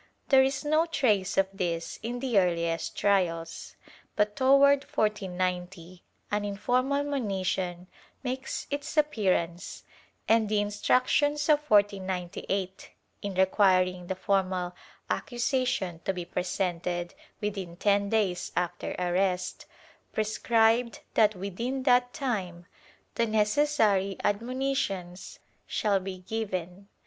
There is no trace of these in the earliest trials, but toward 1490 an informal monition makes its appearance and the Instructions of 1498, in requiring the formal accusation to be presented within ten days after arrest, prescribed that within that time the necessary admonitions shall be given.